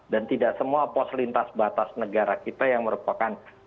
dan tidak semua pos lintas batas negara kita boleh menerima kedatangan internasional